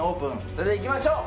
それではいきましょう